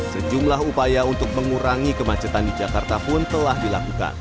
sejumlah upaya untuk mengurangi kemacetan di jakarta pun telah dilakukan